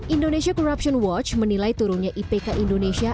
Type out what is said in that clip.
indonesia corruption watch menilai turunnya ipk indonesia